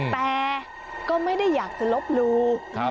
แต่ก็ไม่ได้อยากจะลบลู